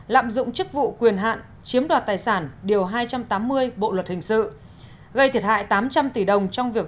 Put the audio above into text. lạm dụng chức vụ quyền hạn chiếm đoạt tài sản điều hai trăm tám mươi bộ luật hình sự gây thiệt hại tám trăm linh tỷ đồng trong việc